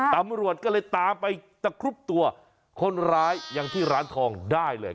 ตำรวจก็เลยตามไปตะครุบตัวคนร้ายยังที่ร้านทองได้เลย